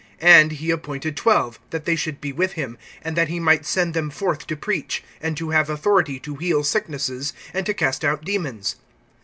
(14)And he appointed twelve, that they should be with him, and that he might send them forth to preach, (15)and to have authority to heal sicknesses, and to cast out demons.